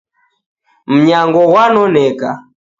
Mnyango wanoneka.